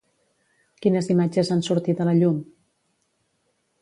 Quines imatges han sortit a la llum?